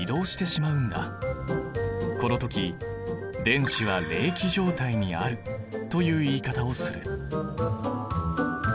この時「電子は励起状態にある」という言い方をする。